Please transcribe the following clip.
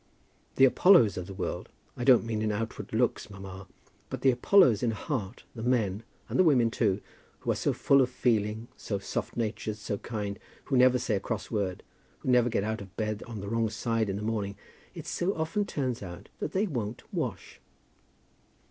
"The Apollos of the world, I don't mean in outward looks, mamma, but the Apollos in heart, the men, and the women too, who are so full of feeling, so soft natured, so kind, who never say a cross word, who never get out of bed on the wrong side in the morning, it so often turns out that they won't wash."